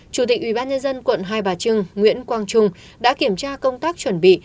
chủ tịch ubnd quận hai bà trưng nguyễn quang trung đã kiểm tra công tác chuẩn bị